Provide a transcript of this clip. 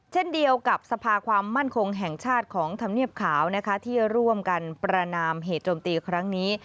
เช่นเดียวกับสภาความมั่นคงแห่งชาติของธรรมเนียบขาวนะคะที่ร่วมกันประนามเหตุโจมตีครั้งนี้